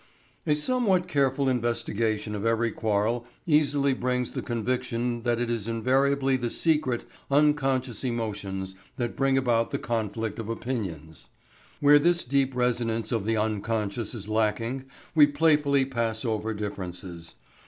A somewhat careful investigation of every quarrel easily brings the conviction that it is invariably the secret, unconscious emotions that bring about the conflict of opinions. Where this deep resonance of the unconscious is lacking we playfully pass over differences.